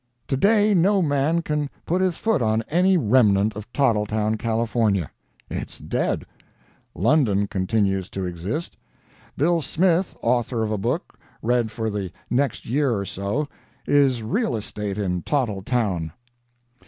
To day no man can put his foot on any remnant of Tottletown, Cal. It's dead. London continues to exist. Bill Smith, author of a book read for the next year or so, is real estate in Tottletown.